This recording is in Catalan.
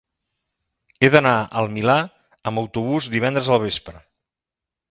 He d'anar al Milà amb autobús divendres al vespre.